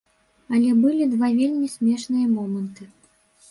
Але былі два вельмі смешныя моманты.